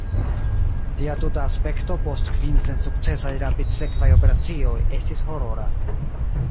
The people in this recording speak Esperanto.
Lia tuta aspekto post kvin sensukcesaj rapidsekvaj operacioj estis horora.